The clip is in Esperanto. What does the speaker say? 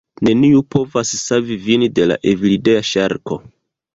Neniu povas savi vin de la Evildea ŝarko!